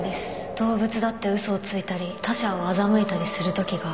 動物だって嘘をついたり他者を欺いたりする時がある。